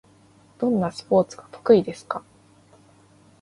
どんなスポーツが得意ですか？